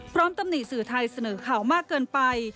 ตำหนิสื่อไทยเสนอข่าวมากเกินไป